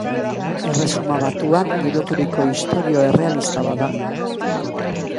Erresuma Batuan giroturiko istorio errealista bat da.